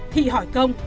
thị hỏi công